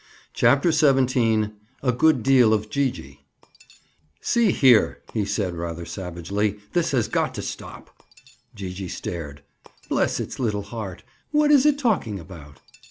CHAPTER XVII—A GOOD DEAL OF GEE GEE "See here," he said rather savagely, "this has got to stop." Gee gee stared. "Bless its little heart, what is it talking about?"